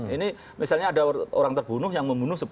ini misalnya ada orang terbunuh yang membunuh